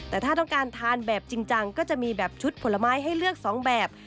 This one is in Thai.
แต่ถ้าต้องการทานแบบจริงจังก็จะมีแบบชุดผลไม้ให้เลือก๒แบบ